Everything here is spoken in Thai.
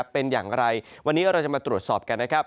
เป็นอย่างไรวันนี้เราจะมาตรวจสอบกันนะครับ